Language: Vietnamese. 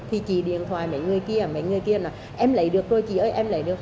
thì chị điện thoại mấy người kia mấy người kia là em lấy được rồi chị ơi em lấy được